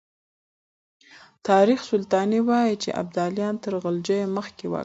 تاريخ سلطاني وايي چې ابداليان تر غلجيو مخکې واکمن وو.